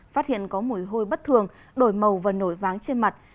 phát hiện có mùi hôi bất thường đổi màu và nổi váng trên mặt